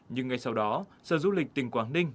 nhưng ngay sau đó sở du lịch tỉnh quảng ninh